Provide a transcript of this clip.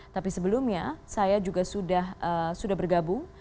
tapi sebelumnya saya juga sudah bergabung